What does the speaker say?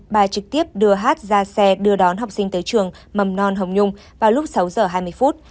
bà trực tiếp đưa hát ra xe đưa đón học sinh tới trường mầm non hồng nhung vào lúc sáu giờ hai mươi phút